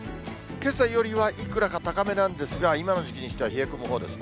けさよりはいくらか高めなんですが、今の時期にしては冷え込むほうですね。